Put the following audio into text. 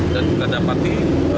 dan kita dapati